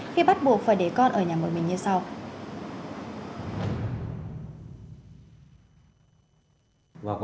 khi bắt buộc phải để con ở nhà một mình như sau